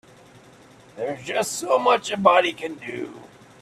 There's just so much a body can do.